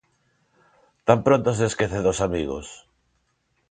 ¿Tan pronto se esquece dos amigos?